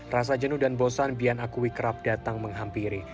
rasa jenuh dan bosan bian akui kerap datang menghampiri